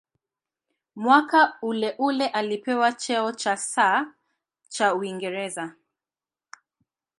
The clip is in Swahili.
Mwaka uleule alipewa cheo cha "Sir" cha Uingereza.